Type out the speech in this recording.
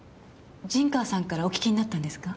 陣川さんからお聞きになったんですか？